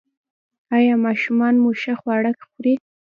ایا ماشومان مو ښه خواړه خوري؟